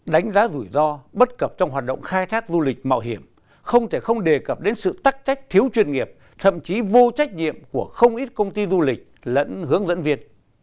đánh giá rủi ro bất cập trong hoạt động khai thác du lịch mạo hiểm không thể không đề cập đến sự tắc trách thiếu chuyên nghiệp thậm chí vô trách nhiệm của không ít công ty du lịch lẫn hướng dẫn viên